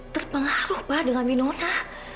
terpengaruh pa dengan winona